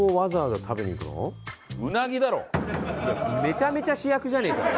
めちゃめちゃ主役じゃねえかよ！